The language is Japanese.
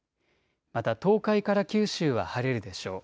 また東海から九州は晴れるでしょう。